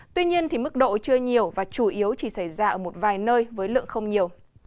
tuy nhiên mức độ chưa nhiều và chủ yếu chỉ xảy ra ở một vài nơi với lượng không nhiều